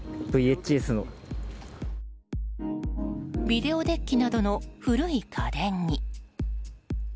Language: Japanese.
ビデオデッキなどの古い家電に。